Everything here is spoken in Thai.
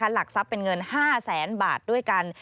หลักทรัพย์เป็นเงิน๕แสนบาทด้วยกัน